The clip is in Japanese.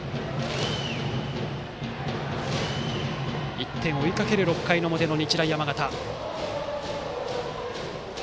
１点を追いかける６回の表の日大山形。